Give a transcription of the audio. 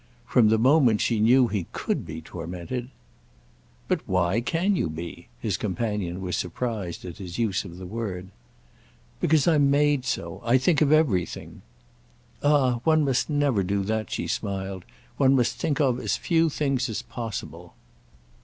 From the moment she knew he could be tormented—! "But why can you be?"—his companion was surprised at his use of the word. "Because I'm made so—I think of everything." "Ah one must never do that," she smiled. "One must think of as few things as possible."